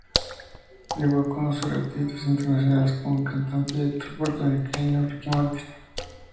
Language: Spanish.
Llegó a conocer artistas internacionales como el cantante y actor puertorriqueño Ricky Martin.